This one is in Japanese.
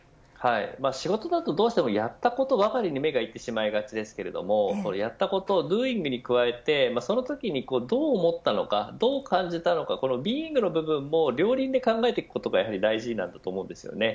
仕事だとどうしてもやったことばかりに目がいってしまいがちですがやったこと、ｄｏｉｎｇに加えてそのときにどう感じたのかどう思ったのかｂｅｉｎｇの部分も両輪で考えることが大事だと思います。